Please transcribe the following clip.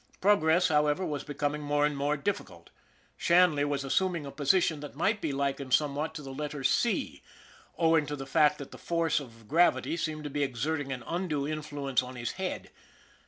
Progress, however, was becoming more and more difficult. Shanley was assuming a position that might be likened somewhat to the letter C, owing to the fact that the force of gravity seemed to be exerting an undue influence on his head.